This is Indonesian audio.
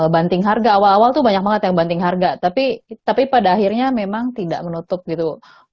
banting harga awal awal tuh banyak banget yang banting harga tapi tapi pada akhirnya memang tidak menutup gitu